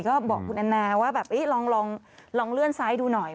ก็บอกคุณแอนนาว่าแบบลองเลื่อนซ้ายดูหน่อย